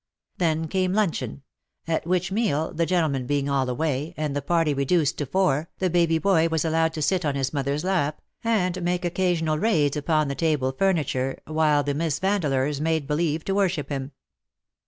Then came luncheon — at which meal, the gentlemen being all away, and the party reduced to four, the baby boy was allowed to sit on his mother's lap, and make occa sional raids upon the table furniture, while the Miss Vandeleurs made believe to worship him.